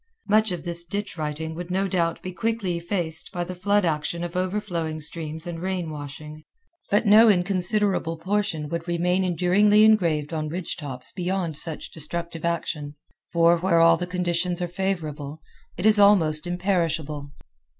Much of this ditch writing would no doubt be quickly effaced by the flood action of overflowing streams and rain washing; but no inconsiderable portion would remain enduringly engraved on ridge tops beyond such destructive action; for, where all the conditions are favorable, it is almost imperishable.